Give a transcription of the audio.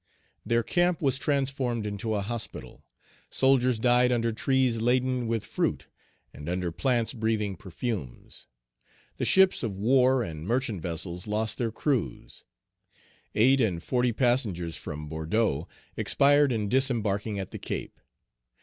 Their camp was transformed into a hospital. Soldiers died under trees laden with fruit, and under plants breathing perfumes. The ships of war and merchant vessels lost their crews. Eight and forty passengers from Bordeaux expired in disembarking at the Cape.